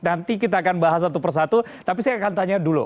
nanti kita akan bahas satu persatu tapi saya akan tanya dulu